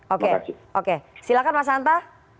oke oke silakan mas hanta